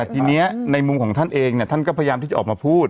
แต่ทีนี้ในมุมของท่านเองท่านก็พยายามที่จะออกมาพูด